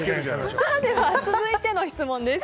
では、続いての質問です。